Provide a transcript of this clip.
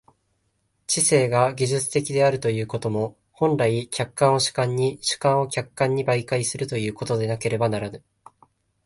知性が技術的であるということも、本来、客観を主観に、主観を客観に媒介するということでなければならぬ。